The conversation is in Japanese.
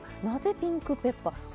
なぜピンクペッパー？